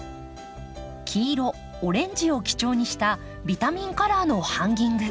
黄色オレンジを基調にしたビタミンカラーのハンギング。